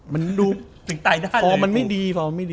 มันดูฟอมันไม่ดี